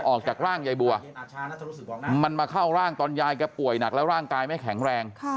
ออกจากร่างยายบัวมันมาเข้าร่างตอนยายแกป่วยหนักแล้วร่างกายไม่แข็งแรง